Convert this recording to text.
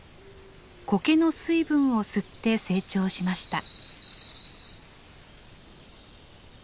コケの水分を吸って成長しました。